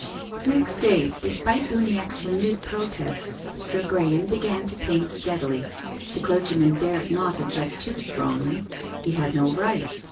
Next day, despite Uniackc's renewed protests, Sir Graham began to paint steadily. The clergy man dared not object too strongly. He had no right.